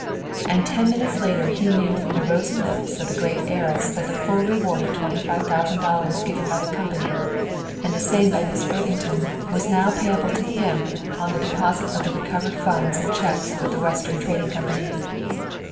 And ten minutes later he knew from the rosy lips of the great heiress that the full reward of twenty five thousand dollars given by the company, and the same by Miss Worthington was now payable to him on the deposit of the recovered funds and cheques with the Western Trading Company.